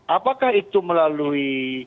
apakah itu melalui